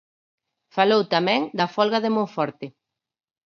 Falou tamén da folga de Monforte.